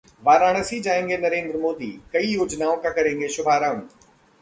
वाराणसी जाएंगे नरेंद्र मोदी, कई योजनाओं का करेंगे शुभारंभ